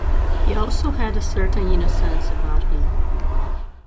He also had a certain innocence about him.